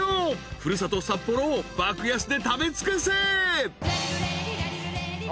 ［古里札幌を爆安で食べ尽くせ］